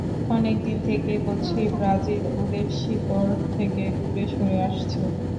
অনেক দিন থেকেই বলছি ব্রাজিল ওদের শিকড় থেকে দূরে সরে আসছে।